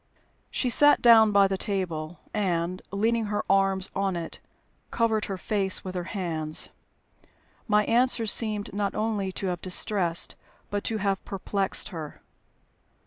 She sat down by the table, and, leaning her arms on it, covered her face with her hands. My answers seemed not only to have distressed, but to have perplexed her.